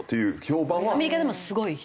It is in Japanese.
アメリカでもすごい人？